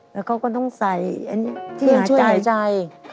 แล้วเขาก็ต้องใส่อันนี้ช่วยหายใจ